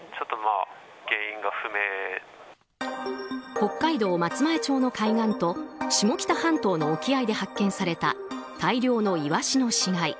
北海道松前町の海岸と下北半島の沖合で発見された大量のイワシの死骸。